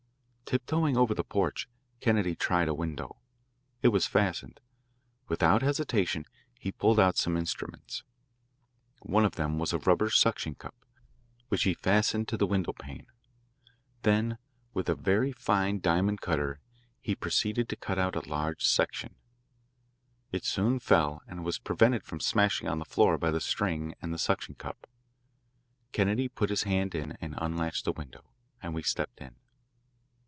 Tiptoeing over the porch, Kennedy tried a window. It was fastened. Without hesitation he pulled out some instruments. One of them was a rubber suction cup, which he fastened to the windowpane. Then with a very fine diamond cutter he proceeded to cut out a large section. It soon fell and was prevented from smashing on the floor by the string and the suction cup. Kennedy put his hand in and unlatched the window, and we stepped in.